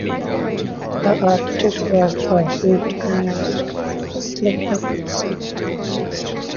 The architect was the Hewitt and Haslam Partnership.